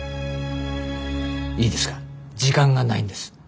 いいですか時間がないんです。